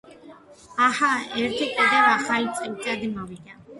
აჰა ერთი კიდევ ახალი წელიწადი მოვიდა.